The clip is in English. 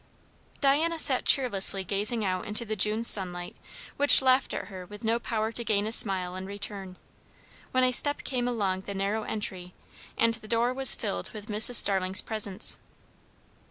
Diana sat cheerlessly gazing out into the June sunlight, which laughed at her with no power to gain a smile in return; when a step came along the narrow entry, and the doorway was filled with Mrs. Starling's presence.